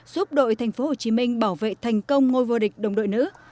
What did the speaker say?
giúp đội tp hcm bảo vệ thành công ngôi vô địch đồng đội nữ